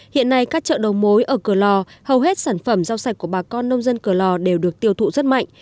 hiện nay các chợ đầu mối ở cửa lò hầu hết sản phẩm rau sạch của bà con nông dân cửa lò đều được tiêu thụ rất mạnh